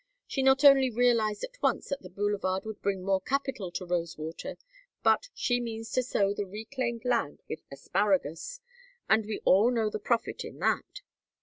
She not only realized at once that the boulevard would bring more capital to Rosewater, but she means to sow the reclaimed land with asparagus and we all know the profit in that.